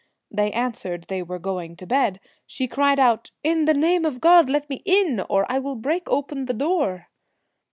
They answered they were going to bed. She cried out, ' In the name of God let me in, or I will break open the door.'